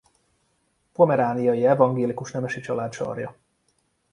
Pomerániai evangélikus nemesi család sarja.